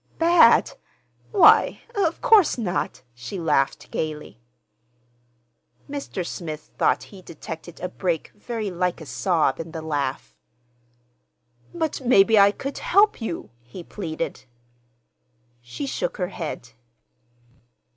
"Bad? Why, of course not!" She laughed gayly. Mr. Smith thought he detected a break very like a sob in the laugh. "But maybe I could—help you," he pleaded. She shook her head.